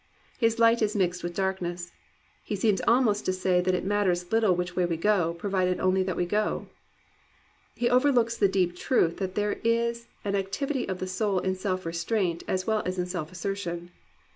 His light is mixed with darkness. He seems almost to say that it matters little which way we go, provided only we go. He overlooks the deep truth that there is an ac tivity of the soul in self restraint as well as in self assertion.